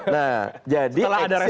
nah jadi exit strategi